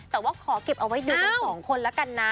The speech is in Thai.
แต่ว่าขอเก็บเอาไว้ดูกันสองคนแล้วกันนะ